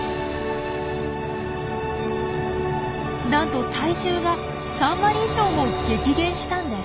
なんと体重が３割以上も激減したんです。